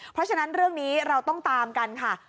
เพราะฉะนั้นเรื่องนี้เราต้องตามกันค่ะ